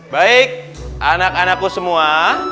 baik anak anakku semua